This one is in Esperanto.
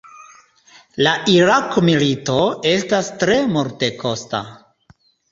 La Irak-milito estas tre multekosta.